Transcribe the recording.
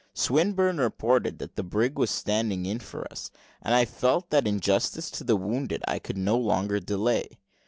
Swinburne reported that the brig was standing in for us, and I felt that in justice to the wounded I could no longer delay.